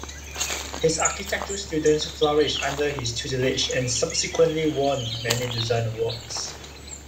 His architectural students flourished under his tutelage and subsequently won many design awards.